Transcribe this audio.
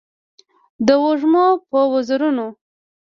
د وږمو په وزرونو